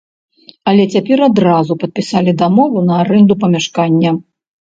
Але цяпер адразу падпісалі дамову на арэнду памяшкання.